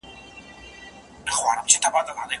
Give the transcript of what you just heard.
نقيب که څه کم و! که بالابود و ستا په نوم و